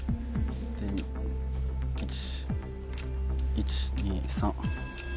１・２・３。